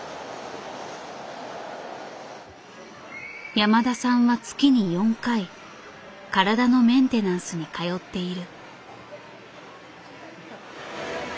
山田さんは月に４回体のメンテナンスに通っている。